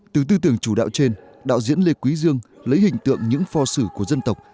từ tư tưởng chủ đạo trên đạo diễn lê quý dương lấy hình tượng những pho sử của dân tộc